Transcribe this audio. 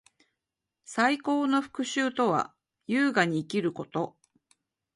最高の復讐とは，優雅に生きること。